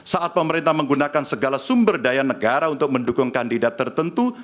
saat pemerintah menggunakan segala sumber daya negara untuk mendukung kandidat tertentu